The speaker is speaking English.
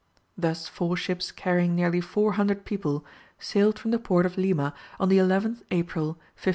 Thus four ships carrying nearly four hundred people sailed from the port of Lima on the 11th April, 1595.